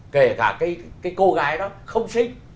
kể cả cái cô gái đó không xinh